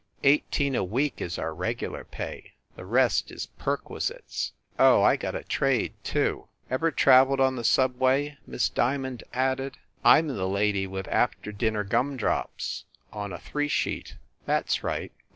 Eighteen a week is our regular pay. The rest is perquisites." "Oh, I got a trade, too. Ever traveled on the subway?" Miss Diamond added. "I m the lady with After Dinner Gumdrops on a three sheet. That s right.